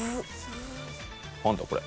何だこれ。